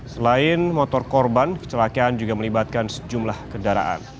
selain motor korban kecelakaan juga melibatkan sejumlah kendaraan